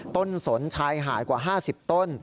สนชายหาดกว่า๕๐ต้น